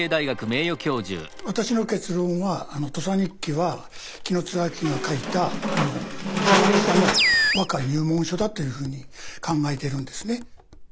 私の結論は「土佐日記」は紀貫之が書いた初学者の和歌入門書だというふうに考えているんですね。